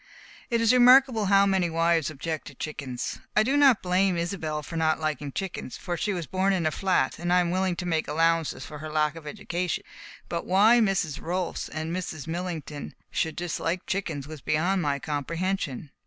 It is remarkable how many wives object to chickens. I do not blame Isobel for not liking chickens, for she was born in a flat, and I am willing to make allowances for her lack of education; but why Mrs. Rolfs and Mrs. Millington should dislike chickens was beyond my comprehension.